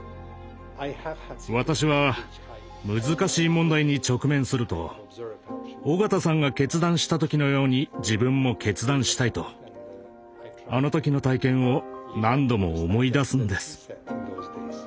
私は難しい問題に直面すると緒方さんが決断した時のように自分も決断したいとあの時の体験を何度も思い出すんです。